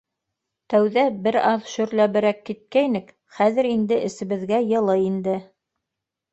Тәүҙә бер аҙ шөрләберәк киткәйнек, хәҙер инде эсебеҙгә йылы инде.